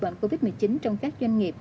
bệnh covid một mươi chín trong các doanh nghiệp